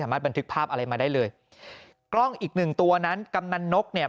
บันทึกภาพอะไรมาได้เลยกล้องอีกหนึ่งตัวนั้นกำนันนกเนี่ย